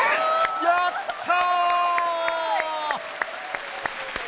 やった！